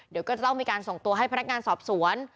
เดี๋ยวก็จะต้องมีการส่งตัวให้พนักงานสอบสวน